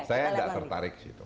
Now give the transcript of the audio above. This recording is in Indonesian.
saya tidak tertarik sih